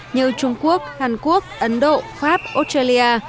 như trung quốc hàn quốc ấn độ pháp australia